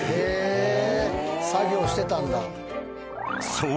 ［そう。